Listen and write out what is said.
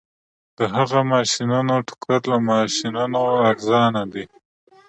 د هغه ماشینونه د ټوکر له ماشینونو ارزانه دي